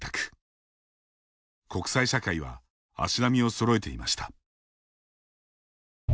国際社会は足並みをそろえていました。